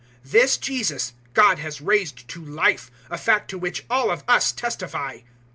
002:032 This Jesus, God has raised to life a fact to which all of us testify.